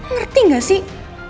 ngerti nggak sih